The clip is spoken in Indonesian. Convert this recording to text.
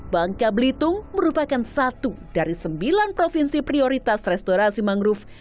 bangka belitung merupakan satu dari sembilan provinsi prioritas restorasi mangrove